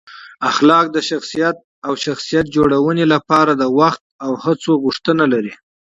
اخلاق د شخصیت او شخصیت جوړونې لپاره د وخت او هڅو غوښتنه لري.